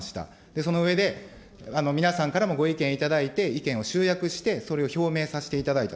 その上で、皆さんからもご意見いただいて、意見を集約して、それを表明させていただいた。